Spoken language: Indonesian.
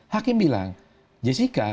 hakim bilang jessica